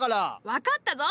分かったぞ。